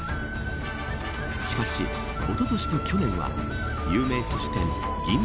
しかし、おととしと去年は有名すし店銀座